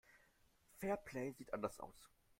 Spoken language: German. Fairplay sieht anders aus.